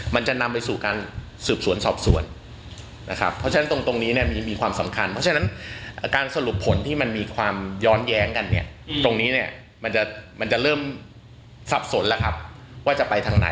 มันจะนำไปสู่การสืบสวนสอบสวนนะครับเพราะฉะนั้นตรงนี้เนี่ยมีความสำคัญเพราะฉะนั้นการสรุปผลที่มันมีความย้อนแย้งกันเนี่ยตรงนี้เนี่ยมันจะมันจะเริ่มสับสนแล้วครับว่าจะไปทางไหน